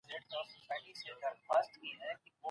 د نکاح پای ته رسيدل.